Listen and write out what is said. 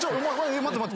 待って待って！